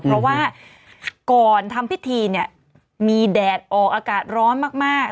เพราะว่าก่อนทำพิธีเนี่ยมีแดดออกอากาศร้อนมาก